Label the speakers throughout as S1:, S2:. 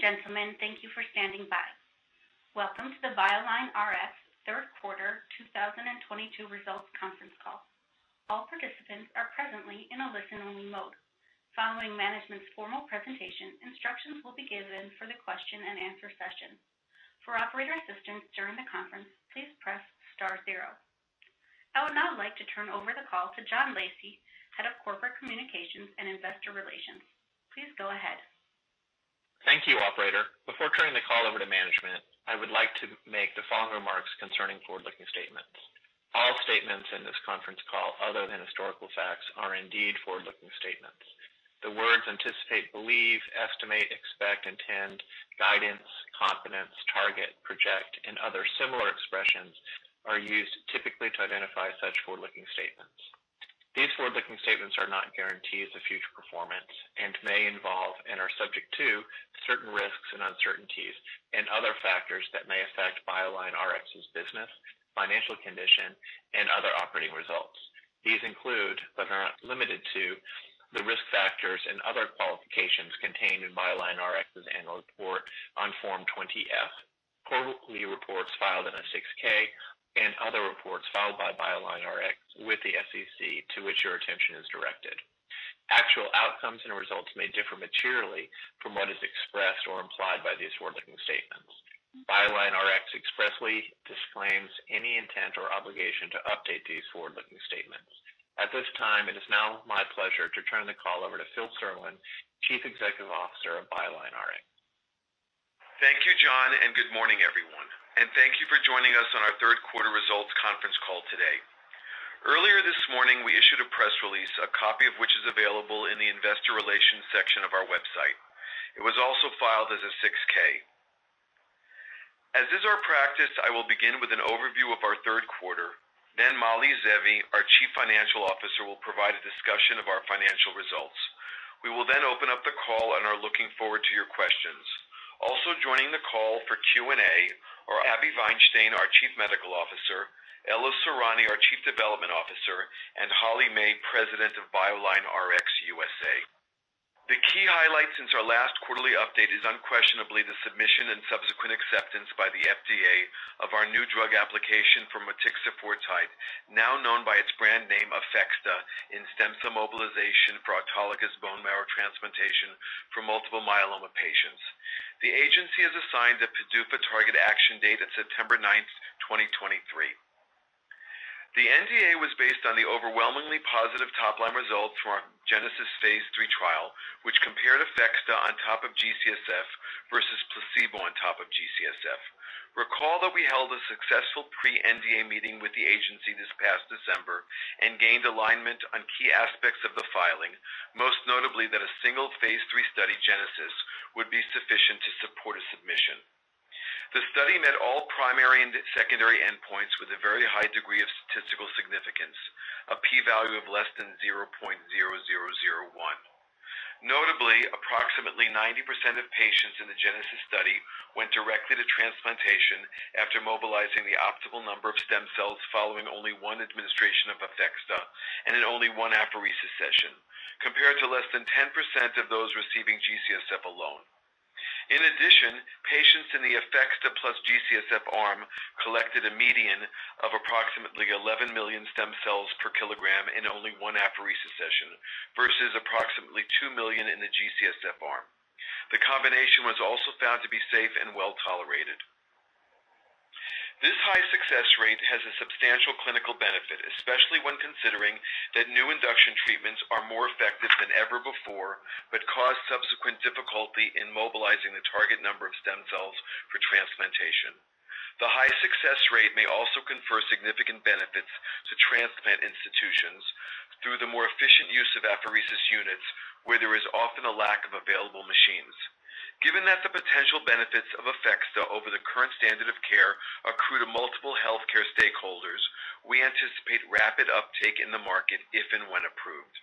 S1: Ladies and gentlemen, thank you for standing by. Welcome to the BioLineRx Q3 2022 results conference call. All participants are presently in a listen-only mode. Following management's formal presentation, instructions will be given for the Q&A session. For operator assistance during the conference, please press star zero. I would now like to turn over the call to John Lacey, Head of Corporate Communications and Investor Relations. Please go ahead.
S2: Thank you, operator. Before turning the call over to management, I would like to make the following remarks concerning forward-looking statements. All statements in this conference call other than historical facts are indeed forward-looking statements. The words anticipate, believe, estimate, expect, intend, guidance, confidence, target, project, and other similar expressions are used typically to identify such forward-looking statements. These forward-looking statements are not guarantees of future performance and may involve and are subject to certain risks and uncertainties and other factors that may affect BioLineRx's business, financial condition, and other operating results. These include, but are not limited to, the risk factors and other qualifications contained in BioLineRx's annual report on Form 20-F, quarterly reports filed on Form 6-K, and other reports filed by BioLineRx with the SEC to which your attention is directed. Actual outcomes and results may differ materially from what is expressed or implied by these forward-looking statements. BioLineRx expressly disclaims any intent or obligation to update these forward-looking statements. At this time, it is now my pleasure to turn the call over to Philip Serlin, Chief Executive Officer of BioLineRx.
S3: Thank you, John, and good morning, everyone. Thank you for joining us on our Q3 results conference call today. Earlier this morning, we issued a press release, a copy of which is available in the investor relations section of our website. It was also filed as a 6-K. As is our practice, I will begin with an overview of our Q3. Then Mali Zeevi, our Chief Financial Officer, will provide a discussion of our financial results. We will then open up the call and are looking forward to your questions. Also joining the call for Q&A are Abi Vainstein-Haras, our Chief Medical Officer, Ella Sorani, our Chief Development Officer, and Holly May, President of BioLineRx USA. The key highlight since our last quarterly update is unquestionably the submission and subsequent acceptance by the FDA of our new drug application for Motixafortide, now known by its brand name APHEXDA, in stem cell mobilization for autologous bone marrow transplantation for multiple myeloma patients. The agency has assigned a PDUFA target action date of September ninth, 2023. The NDA was based on the overwhelmingly positive top-line results from our GENESIS phase 3 trial, which compared APHEXDA on top of GCSF versus placebo on top of GCSF. Recall that we held a successful pre-NDA meeting with the agency this past December and gained alignment on key aspects of the filing, most notably that a single phase 3 study, GENESIS, would be sufficient to support a submission. The study met all primary and secondary endpoints with a very high degree of statistical significance, a P value of less than 0.0001. Notably, approximately 90% of patients in the GENESIS study went directly to transplantation after mobilizing the optimal number of stem cells following only one administration of APHEXDA and in only one apheresis session, compared to less than 10% of those receiving G-CSF alone. In addition, patients in the APHEXDA plus G-CSF arm collected a median of approximately 11 million stem cells per kilogram in only one apheresis session versus approximately 2 million in the G-CSF arm. The combination was also found to be safe and well-tolerated. This high success rate has a substantial clinical benefit, especially when considering that new induction treatments are more effective than ever before, but cause subsequent difficulty in mobilizing the target number of stem cells for transplantation. The high success rate may also confer significant benefits to transplant institutions through the more efficient use of apheresis units, where there is often a lack of available machines. Given that the potential benefits of APHEXDA over the current standard of care accrue to multiple healthcare stakeholders, we anticipate rapid uptake in the market if and when approved.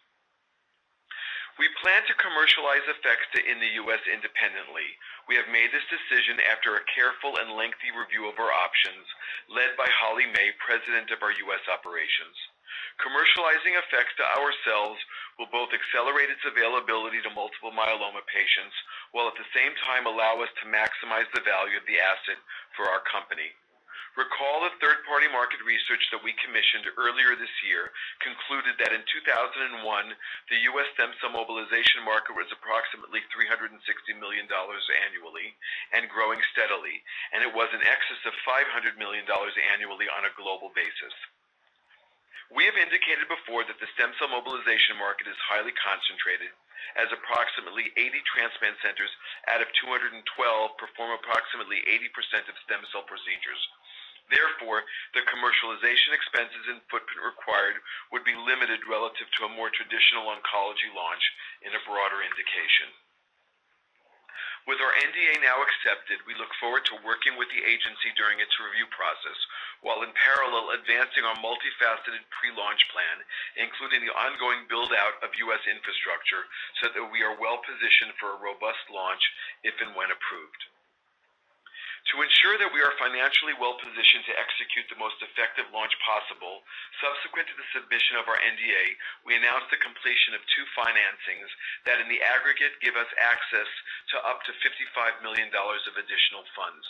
S3: We plan to commercialize APHEXDA in the U.S. independently. We have made this decision after a careful and lengthy review of our options led by Holly May, President of our U.S. operations. Commercializing APHEXDA ourselves will both accelerate its availability to multiple myeloma patients, while at the same time allow us to maximize the value of the asset for our company. Recall the third-party market research that we commissioned earlier this year concluded that in 2021, the U.S. stem cell mobilization market was approximately $360 million annually and growing steadily, and it was in excess of $500 million annually on a global basis. We have indicated before that the stem cell mobilization market is highly concentrated, as approximately 80 transplant centers out of 212 perform approximately 80% of stem cell procedures. Therefore, the commercialization expenses and footprint required would be limited relative to a more traditional oncology launch in a broader indication. With our NDA now accepted, we look forward to working with the agency during its review process, while in parallel advancing our multifaceted pre-launch plan, including the ongoing build-out of U.S. infrastructure so that we are well-positioned for a robust launch if and when. To ensure that we are financially well positioned to execute the most effective launch possible, subsequent to the submission of our NDA, we announced the completion of 2 financings that in the aggregate give us access to up to $55 million of additional funds.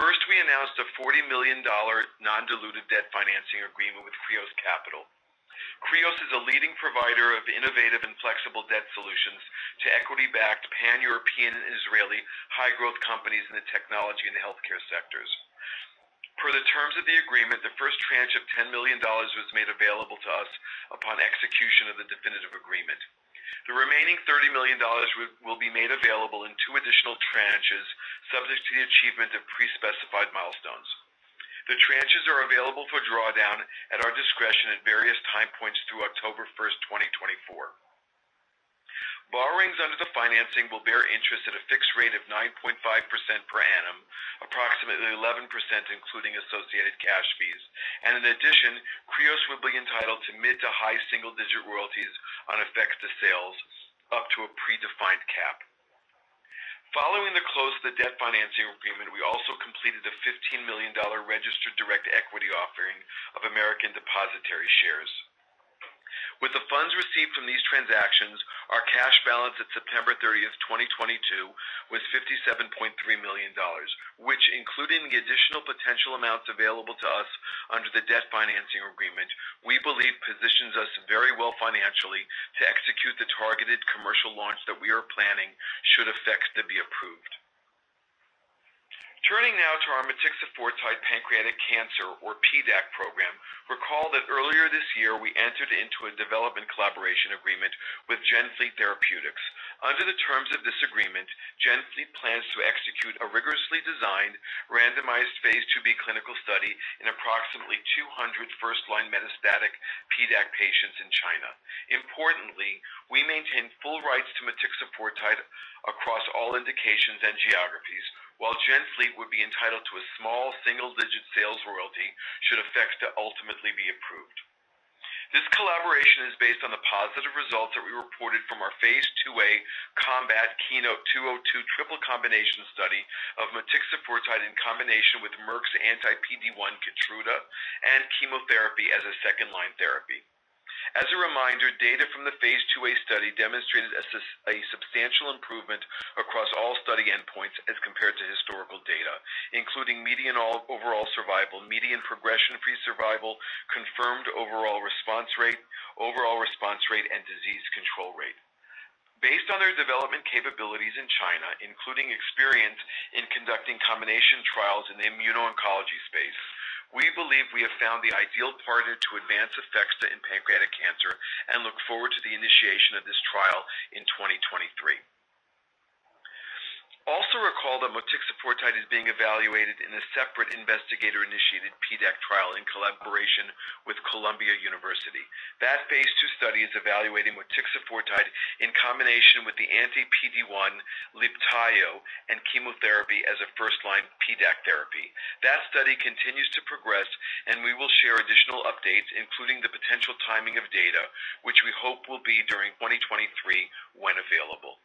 S3: First, we announced a $40 million non-dilutive debt financing agreement with Kreos Capital. Kreos is a leading provider of innovative and flexible debt solutions to equity-backed Pan-European, Israeli high-growth companies in the technology and healthcare sectors. Per the terms of the agreement, the first tranche of $10 million was made available to us upon execution of the definitive agreement. The remaining $30 million will be made available in 2 additional tranches, subject to the achievement of pre-specified milestones. The tranches are available for drawdown at our discretion at various time points through October 1, 2024. Borrowings under the financing will bear interest at a fixed rate of 9.5% per annum, approximately 11%, including associated cash fees. In addition, Kreos will be entitled to mid- to high single-digit royalties on net sales up to a predefined cap. Following the close of the debt financing agreement, we also completed a $15 million registered direct equity offering of American depository shares. With the funds received from these transactions, our cash balance at September 30, 2022 was $57.3 million, which, including the additional potential amounts available to us under the debt financing agreement, we believe positions us very well financially to execute the targeted commercial launch that we are planning should it be approved. Turning now to our Motixafortide pancreatic cancer or PDAC program. Recall that earlier this year, we entered into a development collaboration agreement with Genfleet Therapeutics. Under the terms of this agreement, Genfleet plans to execute a rigorously designed randomized phase 2b clinical study in approximately 200 first-line metastatic PDAC patients in China. Importantly, we maintain full rights to Motixafortide across all indications and geographies, while Genfleet would be entitled to a small single-digit sales royalty should it ultimately be approved. This collaboration is based on the positive results that we reported from our phase 2a COMBAT/KEYNOTE-202 triple combination study of Motixafortide in combination with Merck's anti-PD-1 Keytruda and chemotherapy as a second-line therapy. As a reminder, data from the phase 2a study demonstrated a substantial improvement across all study endpoints as compared to historical data, including median overall survival, median progression-free survival, confirmed overall response rate, overall response rate, and disease control rate. Based on their development capabilities in China, including experience in conducting combination trials in the immuno-oncology space, we believe we have found the ideal partner to advance Motixafortide in pancreatic cancer and look forward to the initiation of this trial in 2023. Also recall that Motixafortide is being evaluated in a separate investigator-initiated PDAC trial in collaboration with Columbia University. That phase 2 study is evaluating Motixafortide in combination with the anti-PD-1 Libtayo and chemotherapy as a first-line PDAC therapy. That study continues to progress, and we will share additional updates, including the potential timing of data, which we hope will be during 2023 when available.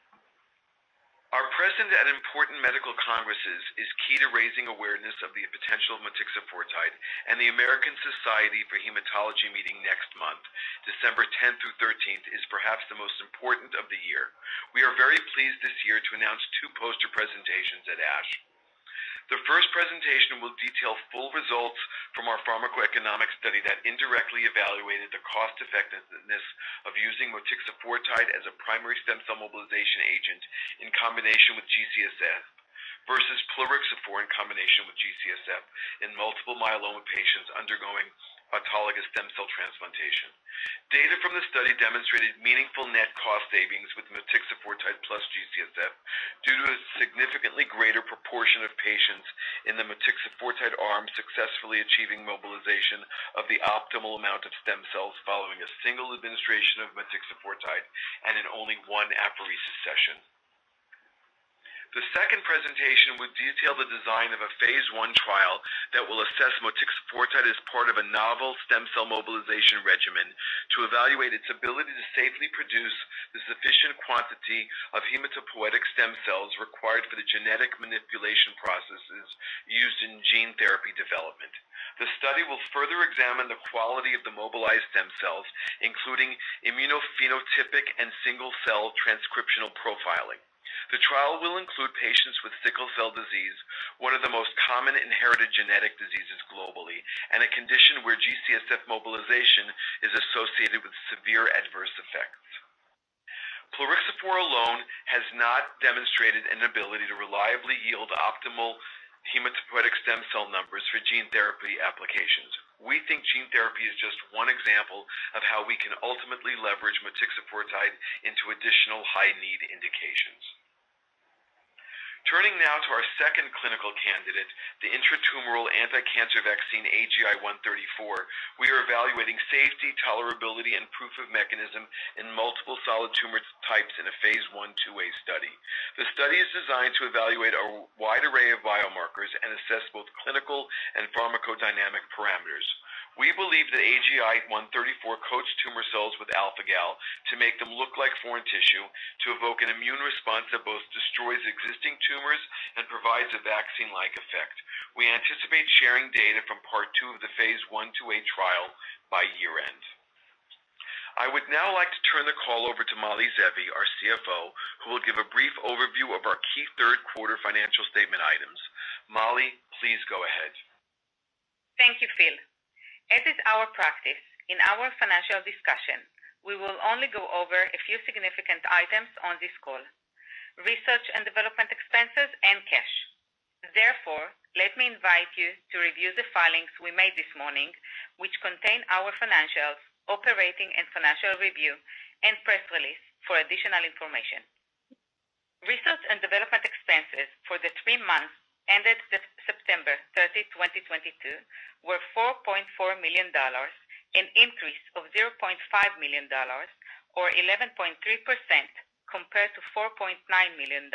S3: Our presence at important medical congresses is key to raising awareness of the potential of Motixafortide and the American Society of Hematology meeting next month, December 10th through 13th, is perhaps the most important of the year. We are very pleased this year to announce 2 poster presentations at ASH. The first presentation will detail full results from our pharmacoeconomic study that indirectly evaluated the cost-effectiveness of using Motixafortide as a primary stem cell mobilization agent in combination with GCSF versus Plerixafor in combination with GCSF in multiple myeloma patients undergoing autologous stem cell transplantation. Data from the study demonstrated meaningful net cost savings with Motixafortide plus GCSF due to a significantly greater proportion of patients in the Motixafortide arm successfully achieving mobilization of the optimal amount of stem cells following a single administration of Motixafortide and in only one apheresis session. The second presentation would detail the design of a phase 1 trial that will assess Motixafortide as part of a novel stem cell mobilization regimen to evaluate its ability to safely produce the sufficient quantity of hematopoietic stem cells required for the genetic manipulation processes used in gene therapy development. The study will further examine the quality of the mobilized stem cells, including immunophenotypic and single-cell transcriptional profiling. The trial will include patients with sickle cell disease, one of the most common inherited genetic diseases globally, and a condition where GCSF mobilization is associated with severe adverse effects. Plerixafor alone has not demonstrated an ability to reliably yield optimal hematopoietic stem cell numbers for gene therapy applications. We think gene therapy is just one example of how we can ultimately leverage Motixafortide into additional high-need indications. Turning now to our second clinical candidate, the intratumoral anticancer vaccine AGI-134, we are evaluating safety, tolerability, and proof of mechanism in multiple solid tumor types in a Phase 1/2 study. The study is designed to evaluate a wide array of biomarkers and assess both clinical and pharmacodynamic parameters. We believe that AGI-134 coats tumor cells with alpha-Gal to make them look like foreign tissue to evoke an immune response that both destroys existing tumors and provides a vaccine-like effect. We anticipate sharing data from part 2 of the Phase 1/2a trial by year-end. I would now like to turn the call over to Mali Zeevi, our CFO, who will give a brief overview of our key Q3 financial statement items. Mali, please go ahead.
S4: Thank you, Phil. As is our practice in our financial discussion, we will only go over a few significant items on this call, research and development expenses and cash. Therefore, let me invite you to review the filings we made this morning, which contain our financials, operating and financial review, and press release for additional information. Research and development expenses for the 3 months ended September 30, 2022 were $4.4 million, a decrease of $0.5 million or 11.3% compared to $4.9 million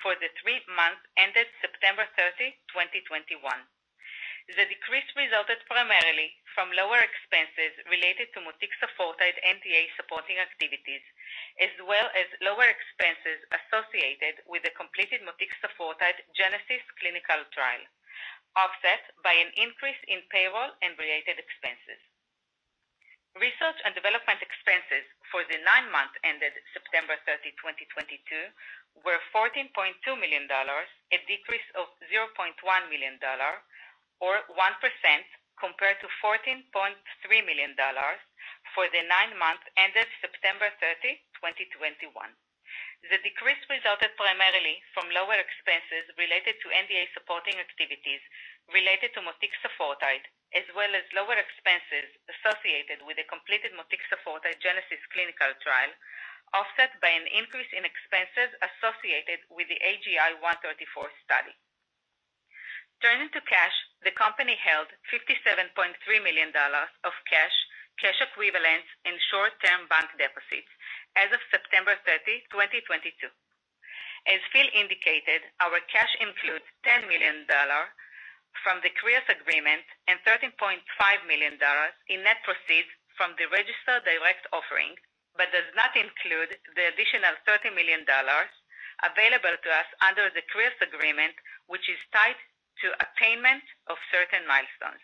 S4: for the 3 months ended September 30, 2021. The decrease resulted primarily from lower expenses related to Motixafortide NDA supporting activities, as well as lower expenses associated with the completed Motixafortide Genesis clinical trial, offset by an increase in payroll and related expenses. Research and development expenses for the 9 months ended September 30, 2022 were $14.2 million, a decrease of $0.1 million or 1% compared to $14.3 million for the 9 months ended September 30, 2021. The decrease resulted primarily from lower expenses related to NDA supporting activities related to Motixafortide, as well as lower expenses associated with a completed Motixafortide GENESIS Clinical Trial, offset by an increase in expenses associated with the AGI-134 study. Turning to cash, the company held $57.3 million of cash equivalents, and short-term bank deposits as of September 30, 2022. As Phil indicated, our cash includes $10 million from the Kreos agreement and $13.5 million in net proceeds from the registered direct offering, but does not include the additional $30 million available to us under the Kreos agreement, which is tied to attainment of certain milestones.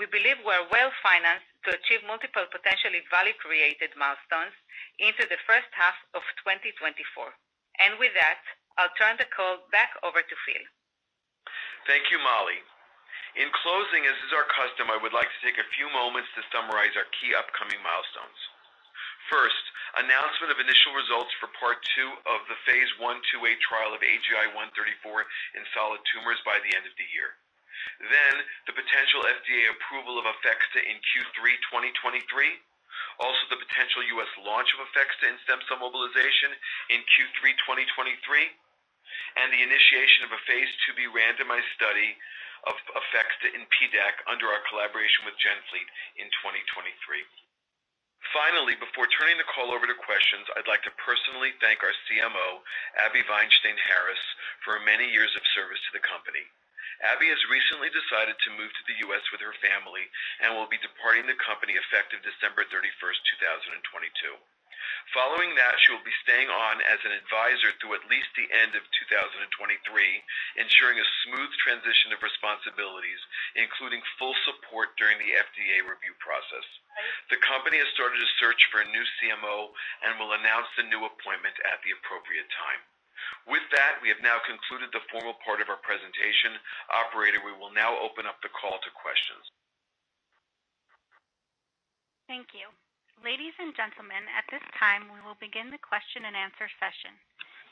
S4: We believe we're well-financed to achieve multiple potentially value-created milestones into the H1 of 2024. With that, I'll turn the call back over to Phil.
S3: Thank you, Mali. In closing, as is our custom, I would like to take a few moments to summarize our key upcoming milestones. First, announcement of initial results for part 2 of the phase 1/2a trial of AGI-134 in solid tumors by the end of the year. The potential FDA approval of APHEXDA in Q3 2023. Also, the potential U.S. launch of APHEXDA in stem cell mobilization in Q3 2023, and the initiation of a phase 2b randomized study of APHEXDA in PDAC under our collaboration with Genfleet in 2023. Finally, before turning the call over to questions, I'd like to personally thank our CMO, Abi Vainstein-Haras, for her many years of service to the company. Abby has recently decided to move to the U.S. with her family and will be departing the company effective December 31, 2022. Following that, she will be staying on as an advisor through at least the end of 2023, ensuring a smooth transition of responsibilities, including full support during the FDA review process. The company has started a search for a new CMO and will announce the new appointment at the appropriate time. With that, we have now concluded the formal part of our presentation. Operator, we will now open up the call to questions.
S1: Thank you. Ladies and gentlemen, at this time, we will begin the Q&A session.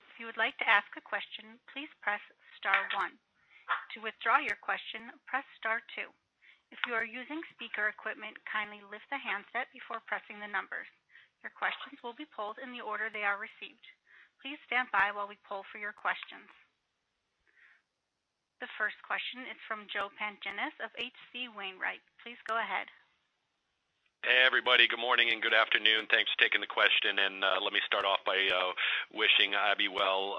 S1: If you would like to ask a question, please press star one. To withdraw your question, press star 2. If you are using speaker equipment, kindly lift the handset before pressing the numbers. Your questions will be pulled in the order they are received. Please stand by while we pull for your questions. The first question is from Joe Pantginis of H.C. Wainwright & Co. Please go ahead.
S5: Hey, everybody. Good morning and good afternoon. Thanks for taking the question. Let me start off by wishing Abby well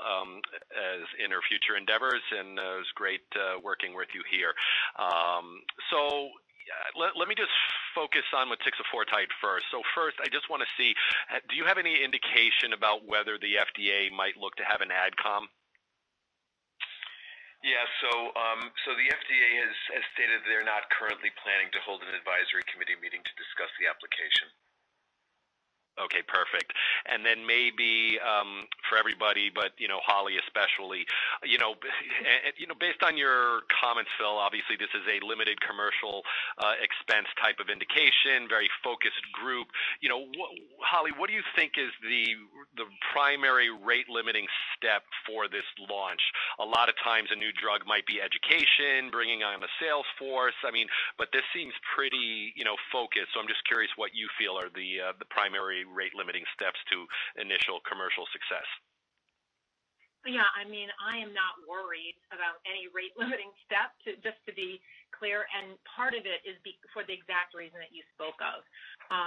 S5: as in her future endeavors, and it was great working with you here. Let me just focus on Motixafortide first. First, I just wanna see, do you have any indication about whether the FDA might look to have an AdCom?
S3: The FDA has stated they're not currently planning to hold an advisory committee meeting to discuss the application.
S5: Okay, perfect. Then maybe for everybody, but you know, Holly especially. You know, based on your comments, Phil, obviously this is a limited commercial expense type of indication, very focused group. You know, Holly, what do you think is the primary rate limiting step for this launch? A lot of times a new drug might be education, bringing on the sales force. I mean, but this seems pretty, you know, focused. So I'm just curious what you feel are the primary rate limiting steps to initial commercial success.
S6: Yeah, I mean, I am not worried about any rate-limiting step, just to be clear, and part of it is for the exact reason that you spoke of.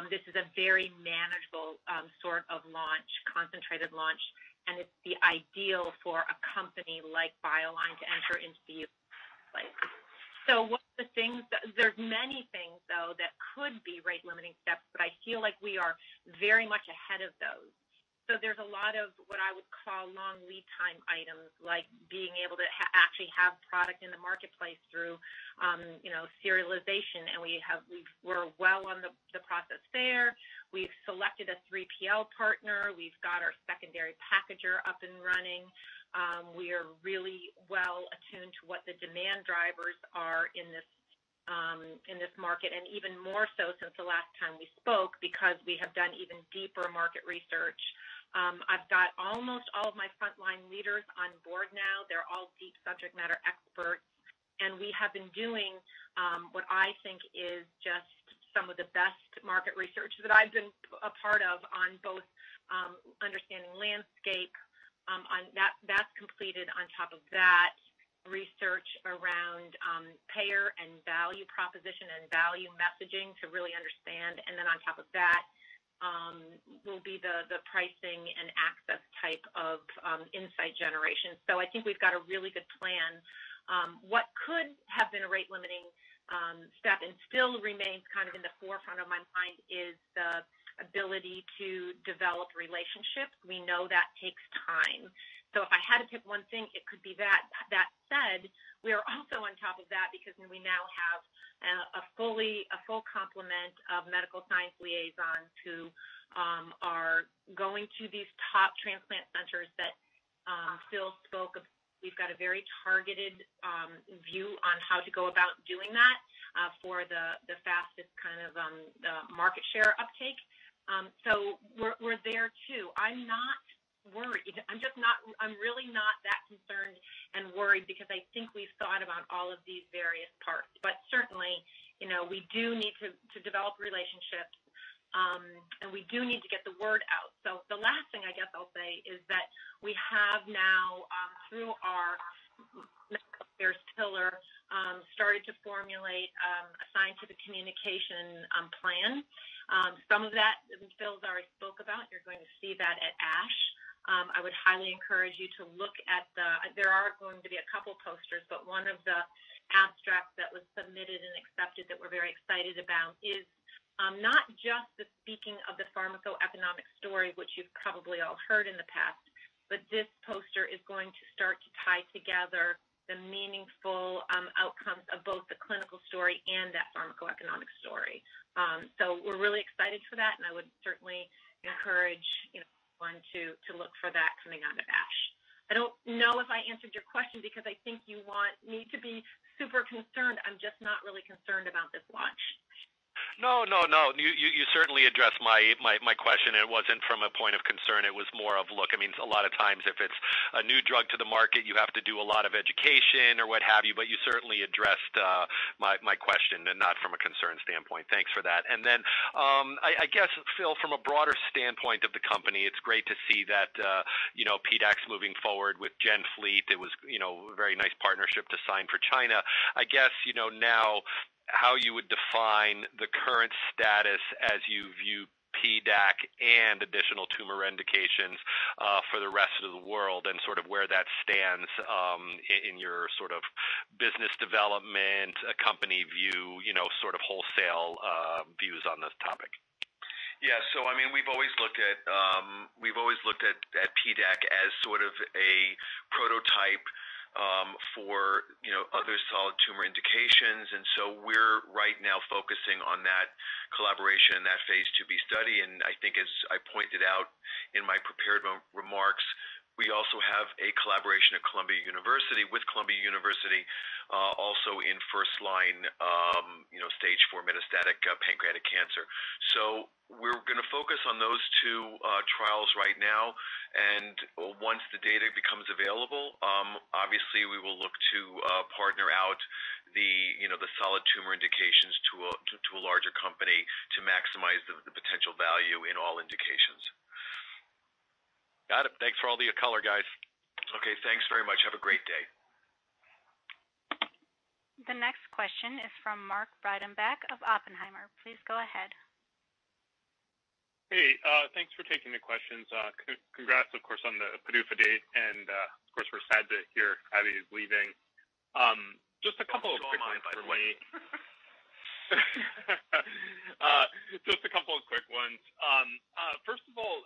S6: This is a very manageable, sort of launch, concentrated launch. It's the ideal for a company like BioLineRx to enter into. There's many things, though, that could be rate-limiting steps, but I feel like we are very much ahead of those. There's a lot of what I would call long lead time items, like being able to actually have product in the marketplace through, you know, serialization, and we're well on the process there. We've selected a 3PL partner. We've got our secondary packager up and running. We are really well attuned to what the demand drivers are in this, in this market, and even more so since the last time we spoke, because we have done even deeper market research. I've got almost all of my frontline leaders on board now. They're all deep subject matter experts. We have been doing what I think is just some of the best market research that I've been a part of on both understanding landscape, on that that's completed. On top of that, research around payer and value proposition and value messaging to really understand. Then on top of that, will be the pricing and access type of insight generation. I think we've got a really good plan. What could have been a rate-limiting step and still remains kind of in the forefront of my mind is the ability to develop relationships. We know that takes time. If I had to pick one thing, it could be that. That said, we are also on top of that because we now have a full complement of medical science liaisons who are going to these top transplant centers that Phil spoke of. We've got a very targeted view on how to go about doing that for the fastest kind of market share uptake. We're there, too. I'm not worried. I'm really not that concerned and worried because I think we've thought about all of these various parts. Certainly, you know, we do need to develop relationships, and we do need to get the word out. The last thing I guess I'll say is that we have now, through our pillar, started to formulate a scientific communication plan. Some of that Phil's already spoke about, you're going to see that at ASH. I would highly encourage you to look at the. There are going to be a couple posters, but one of the abstracts that was submitted and accepted that we're very excited about is not just the speaking of the pharmacoeconomic story, which you've probably all heard in the past, but this poster is going to start to tie together the meaningful outcomes of both the clinical story and that pharmacoeconomic story. We're really excited for that, and I would certainly encourage, you know, everyone to look for that coming out of ASH. I don't know if I answered your question because I think you want me to be super concerned. I'm just not really concerned about this launch.
S5: No, no. You certainly addressed my question. It wasn't from a point of concern. It was more of, look, I mean, a lot of times, if it's a new drug to the market, you have to do a lot of education or what have you. You certainly addressed my question and not from a concern standpoint. Thanks for that. I guess, Phil, from a broader standpoint of the company, it's great to see that, you know, PDAC's moving forward with Genfleet. It was, you know, a very nice partnership to sign for China. I guess, you know, now how you would define the current status as you view PDAC and additional tumor indications, for the rest of the world and sort of where that stands, in your sort of business development, a company view, you know, sort of wholesale, views on this topic?
S3: Yeah. I mean, we've always looked at PDAC as sort of a prototype for you know other solid tumor indications. We're right now focusing on that collaboration, that phase 2b study. I think as I pointed out in my prepared remarks, we also have a collaboration with Columbia University also in first-line you know stage 4 metastatic pancreatic cancer. We're gonna focus on those 2 trials right now. Once the data becomes available, obviously we will look to partner out you know the solid tumor indications to a larger company to maximize the potential value in all indications.
S5: Got it. Thanks for all the color, guys.
S3: Okay, thanks very much. Have a great day.
S1: The next question is from Mark Breidenbeck of Oppenheimer. Please go ahead.
S7: Hey, thanks for taking the questions. Congrats, of course, on the PDUFA date, and, of course, we're sad to hear Abby is leaving. Just a couple of quick ones for me. First of all,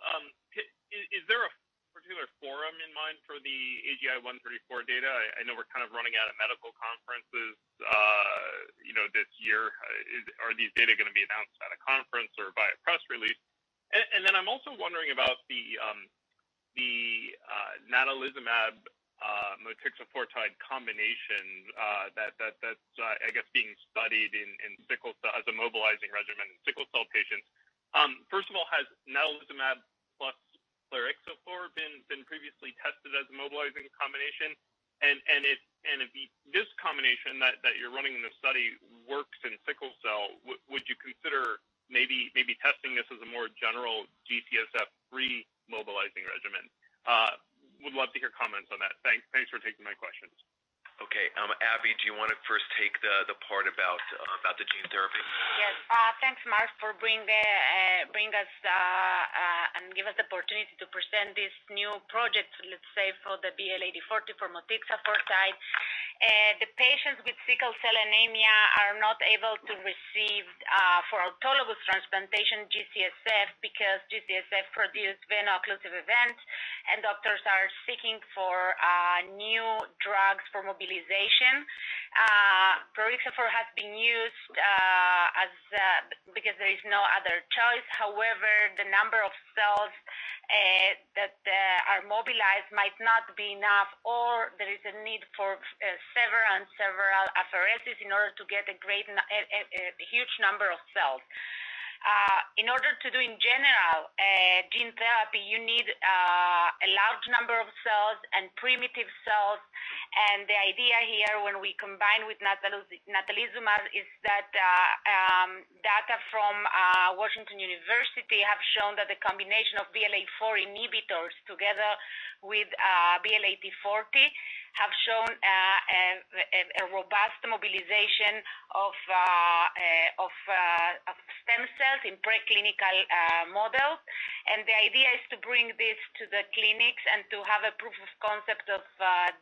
S7: is there a particular forum in mind for the AGI-134 data? I know we're kind of running out of medical conferences, you know, this year. Are these data gonna be announced at a conference or via press release? I'm also wondering about the natalizumab Motixafortide combination, that's being studied in sickle cell as a mobilizing regimen in sickle cell patients. First of all, has natalizumab plus Plerixafor been previously tested as a mobilizing combination? If this combination that you're running in the study works in sickle cell, would you consider maybe testing this as a more general GCSF-free mobilizing regimen? Would love to hear comments on that. Thanks. Thanks for taking my questions.
S3: Okay. Abi Vainstein-Haras, do you want to first take the part about the gene therapy?
S8: Yes. Thanks, Mark, for bringing us and giving us the opportunity to present this new project, let's say, for the BL-8040 for Motixafortide. The patients with sickle cell anemia are not able to receive, for autologous transplantation G-CSF, because G-CSF produce veno-occlusive event, and doctors are seeking for new drugs for mobilization. Plerixafor has been used as because there is no other choice. However, the number of cells that are mobilized might not be enough, or there is a need for several apheresis in order to get a huge number of cells. In order to do in general gene therapy, you need a large number of cells and primitive cells. The idea here, when we combine with natalizumab, is that data from Washington University have shown that the combination of VLA-4 inhibitors together with BL-8040, have shown a robust mobilization of stem cells in preclinical models. The idea is to bring this to the clinics and to have a proof of concept of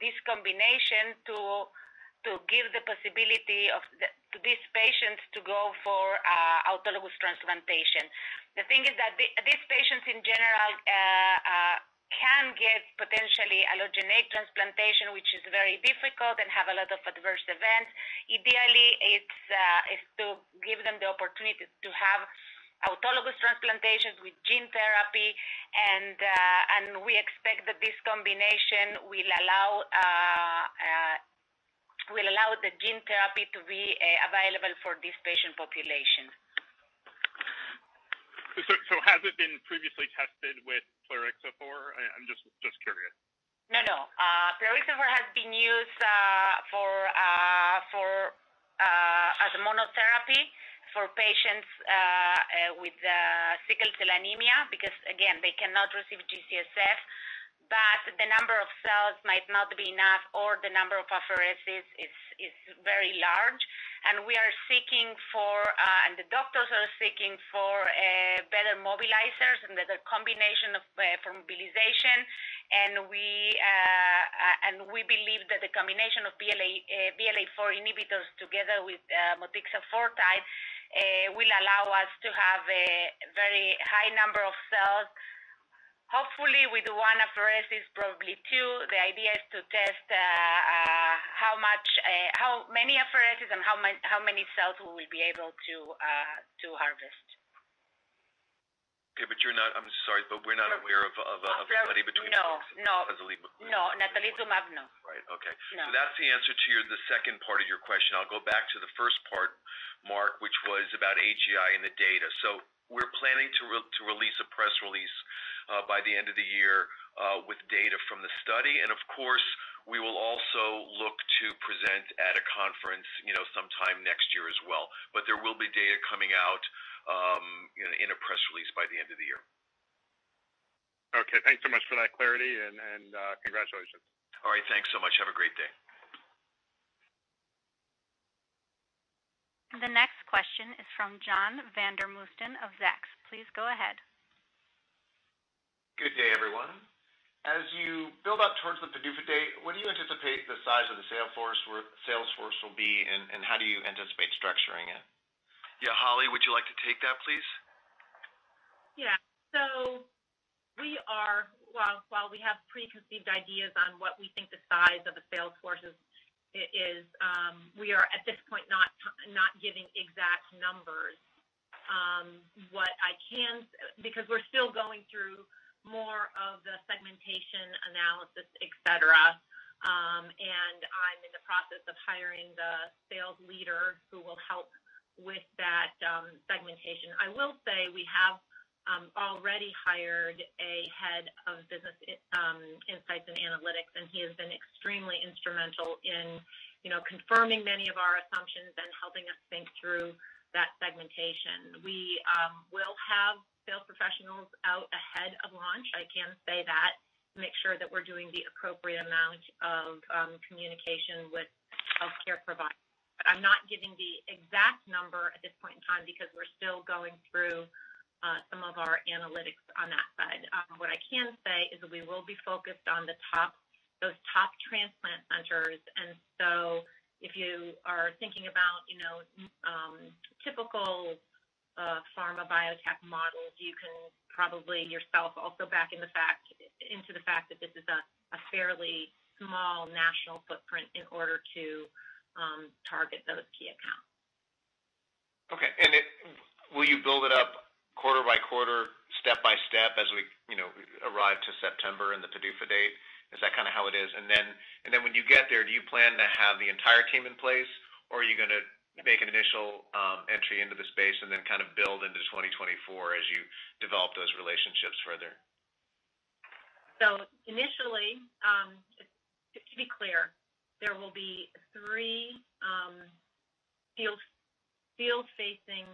S8: this combination to give the possibility to these patients to go for autologous transplantation. The thing is that these patients in general can get potentially allogeneic transplantation, which is very difficult and have a lot of adverse events. Ideally, it's to give them the opportunity to have autologous transplantations with gene therapy. We expect that this combination will allow the gene therapy to be available for this patient population.
S3: Has it been previously tested with Plerixafor? I'm just curious.
S8: No, no. Plerixafor has been used for as a monotherapy for patients with sickle cell anemia because, again, they cannot receive G-CSF, but the number of cells might not be enough or the number of apheresis is very large. We are seeking for, and the doctors are seeking for, better mobilizers and the combination of for mobilization. We believe that the combination of VLA-4 inhibitors together with Motixafortide will allow us to have a very high number of cells, hopefully with one apheresis, probably 2. The idea is to test how much, how many apheresis and how many cells we will be able to harvest.
S3: I'm sorry, but we're not aware of a study between.
S8: No. No.
S3: Plerixafor as a lead.
S8: No. Natalizumab, no.
S3: Right. Okay.
S8: No.
S3: That's the answer to the second part of your question. I'll go back to the first part, Mark, which was about AGI and the data. We're planning to release a press release by the end of the year with data from the study. Of course, we will also look to present at a conference, you know, sometime next year as well. There will be data coming out in a press release by the end of the year.
S7: Okay. Thanks so much for that clarity and congratulations.
S3: All right. Thanks so much. Have a great day.
S1: The next question is from John Vandermosten of Zacks. Please go ahead.
S9: Good day, everyone. As you build up towards the PDUFA date, what do you anticipate the size of the sales force will be, and how do you anticipate structuring it?
S3: Yeah. Holly, would you like to take that, please?
S6: We have preconceived ideas on what we think the size of the sales force is. We are, at this point, not giving exact numbers. Because we're still going through more of the segmentation analysis, etc. I'm in the process of hiring the sales leader who will help with that segmentation. I will say we have already hired a head of business insights and analytics, and he has been extremely instrumental in, you know, confirming many of our assumptions and helping us think through that segmentation. We will have sales professionals out ahead of launch, I can say that, to make sure that we're doing the appropriate amount of communication with healthcare providers. I'm not giving the exact number at this point in time because we're still going through some of our analytics on that side. What I can say is that we will be focused on those top transplant centers. If you are thinking about, you know, typical pharma biotech models, you can probably also back into the fact that this is a fairly small national footprint in order to target those key accounts.
S9: Okay. Will you build it up quarter by quarter, step by step, as we, you know, arrive to September and the PDUFA date? Is that kinda how it is? Then when you get there, do you plan to have the entire team in place, or are you gonna make an initial entry into the space and then kinda build into 2024 as you develop those relationships further?
S6: Initially, to be clear, there will be field-facing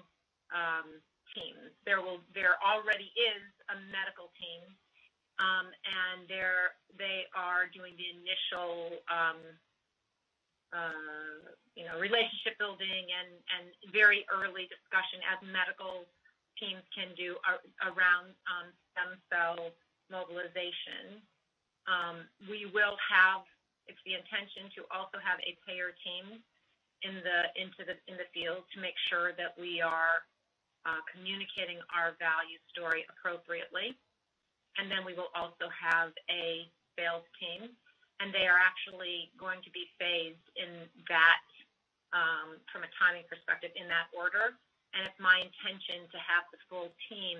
S6: team. There already is a medical team, and they are doing the initial, you know, relationship building and very early discussion as medical teams can do around stem cell mobilization. We will have. It's the intention to also have a payer team in the field to make sure that we are communicating our value story appropriately. We will also have a sales team, and they are actually going to be phased in that, from a timing perspective in that order. It's my intention to have the full team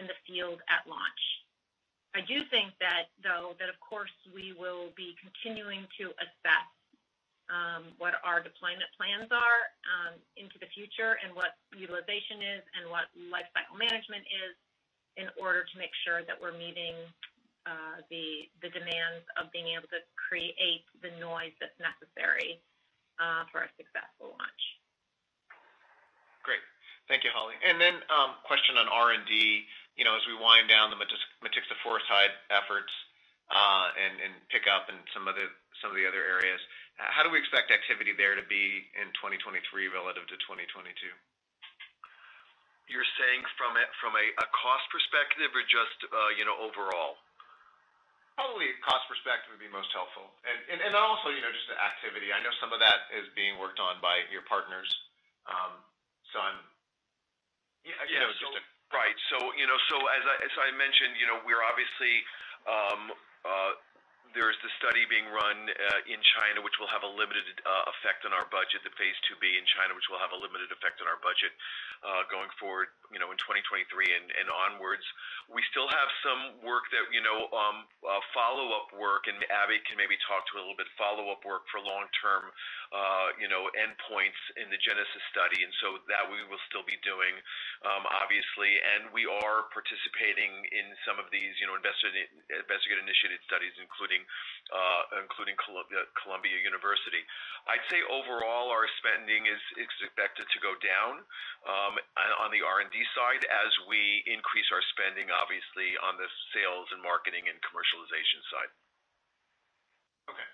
S6: in the field at launch. I do think that, though, of course we will be continuing to assess what our deployment plans are into the future and what utilization is and what life cycle management is in order to make sure that we're meeting the demands of being able to create the noise that's necessary for a successful launch.
S9: Great. Thank you, Holly. Question on R&D. You know, as we wind down the Motixafortide efforts, and pick up in some of the other areas, how do we expect activity there to be in 2023 relative to 2022?
S3: You're saying from a cost perspective or just, you know, overall?
S9: Probably cost perspective would be most helpful. Also, you know, just the activity. I know some of that is being worked on by your partners, so I'm...
S3: Yeah.
S9: You know.
S3: Right. You know, as I mentioned, you know, we're obviously there is this study being run in China, which will have a limited effect on our budget, the phase 2b in China, going forward, you know, in 2023 and onwards. We still have some work that, you know, follow-up work, and Abbie can maybe talk to a little bit follow-up work for long-term endpoints in the GENESIS study, and so that we will still be doing, obviously. We are participating in some of these, you know, investigator-initiated studies, including Columbia University. I'd say overall our spending is expected to go down on the R&D side as we increase our spending obviously on the sales and marketing and commercialization side.
S9: Okay.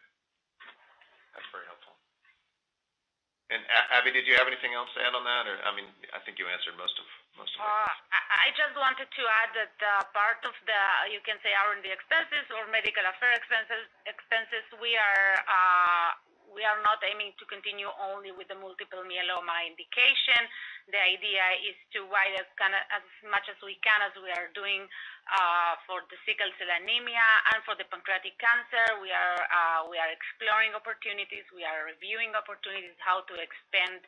S9: That's very helpful. Abi, did you have anything else to add on that? Or, I mean, I think you answered most of my questions.
S8: I just wanted to add that part of the, you can say, R&D expenses or medical affairs expenses we are not aiming to continue only with the multiple myeloma indication. The idea is to widen as much as we can as we are doing for the sickle cell disease and for the pancreatic cancer. We are exploring opportunities, reviewing opportunities how to expand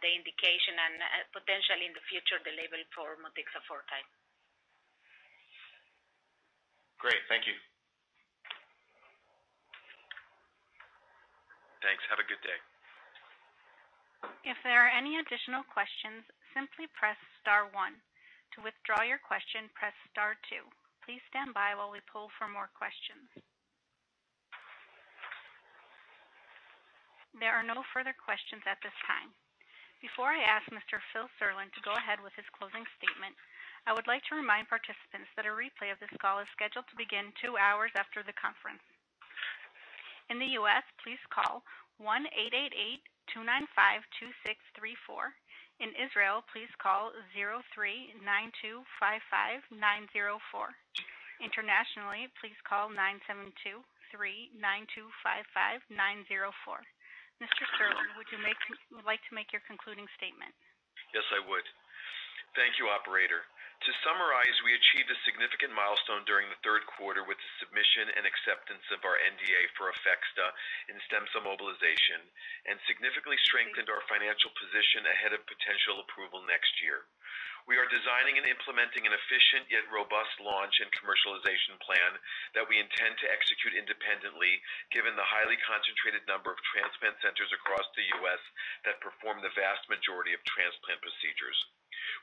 S8: the indication and potentially in the future the labeling for Motixafortide.
S9: Great. Thank you.
S3: Thanks. Have a good day.
S1: If there are any additional questions, simply press star one. To withdraw your question, press star 2. Please stand by while we pull for more questions. There are no further questions at this time. Before I ask Mr. Philip Serlin to go ahead with his closing statement, I would like to remind participants that a replay of this call is scheduled to begin 2 hours after the conference. In the U.S., please call 1-888-295-2634. In Israel, please call 03-925-5904. Internationally, please call 972-3-925-5904. Mr. Serlin, would you like to make your concluding statement?
S3: Yes, I would. Thank you, operator. To summarize, we achieved a significant milestone during the Q3 with the submission and acceptance of our NDA for APHEXDA in stem cell mobilization and significantly strengthened our financial position ahead of potential approval next year. We are designing and implementing an efficient yet robust launch and commercialization plan that we intend to execute independently, given the highly concentrated number of transplant centers across the U.S. that perform the vast majority of transplant procedures.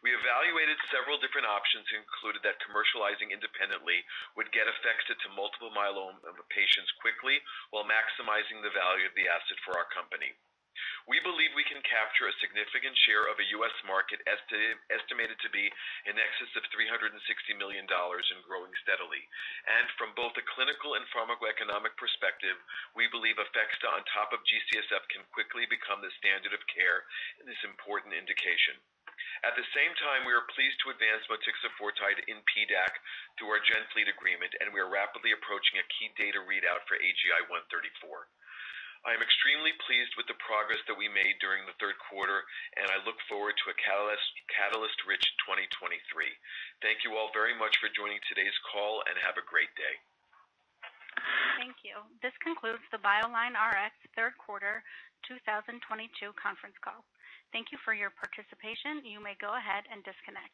S3: We evaluated several different options and concluded that commercializing independently would get APHEXDA to multiple myeloma patients quickly while maximizing the value of the asset for our company. We believe we can capture a significant share of the U.S. market estimated to be in excess of $360 million and growing steadily. From both a clinical and pharmacoeconomic perspective, we believe APHEXDA on top of GCSF can quickly become the standard of care in this important indication. At the same time, we are pleased to advance Motixafortide in PDAC through our Genfleet agreement, and we are rapidly approaching a key data readout for AGI-134. I am extremely pleased with the progress that we made during the Q3, and I look forward to a catalyst-rich 2023. Thank you all very much for joining today's call, and have a great day.
S1: Thank you. This concludes the BioLineRx Q3 2022 conference call. Thank you for your participation. You may go ahead and disconnect.